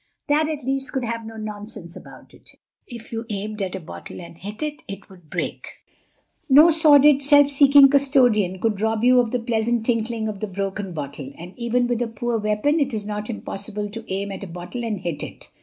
That, at least, could have no nonsense about it. If you aimed at a bottle and hit it it would break. No sordid self seeking custodian could rob you of the pleasant tinkling of the broken bottle. And even with a poor weapon it is not impossible to aim at a bottle and hit it.